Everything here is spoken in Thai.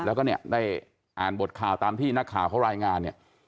แล้วก็ได้อ่านบทข่าวตามที่นักข่าวเขารายงาน